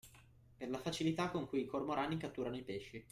Per la facilità con cui i cormorani catturano i pesci